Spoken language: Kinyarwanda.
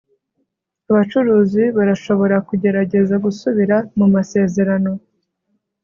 abacuruzi barashobora kugerageza gusubira mu masezerano